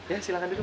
ya silahkan duduk